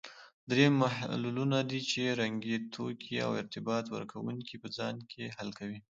دریم محللونه دي چې رنګي توکي او ارتباط ورکوونکي په ځان کې حل کوي.